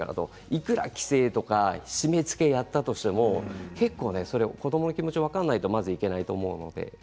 いくら規制とか締めつけをやったとしても子どもの気持ちが分からないとまずいけないと思うので。